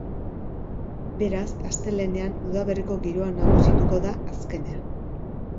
Beraz, astelehenean udaberriko giroa nagusituko da azkenean.